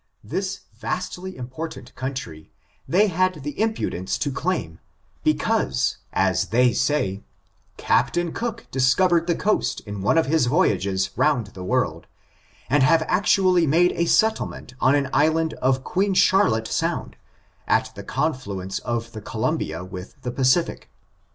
This vastly important country they had the impudence to claim, because, as they say, Captain Cook discovered the coast in one of his voyages round the world, and have actually made a settlement on an island in Queen Charlotte Sound, at the conflu ence of the Columbia with the Pacific.